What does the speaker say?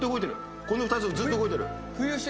この２つ、ずっと動いてる。